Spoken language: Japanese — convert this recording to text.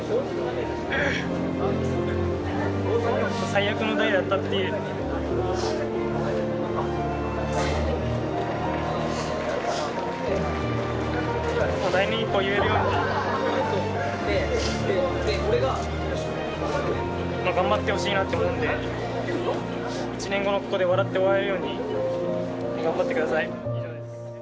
最悪の代だったっていう、来年以降言えるように、頑張ってほしいなって思うんで、１年後のここで笑って終われるように、頑張ってください。